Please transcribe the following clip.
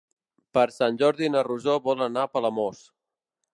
Per Sant Jordi na Rosó vol anar a Palamós.